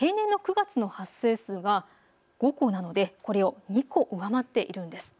平年の９月の発生数が５個なのでこれを２個を上回っているんです。